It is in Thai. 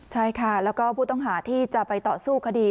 ใช่ค่ะแล้วก็ผู้ต้องหาที่จะไปต่อสู้คดี